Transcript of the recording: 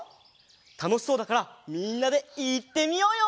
たのしそうだからみんなでいってみようよ！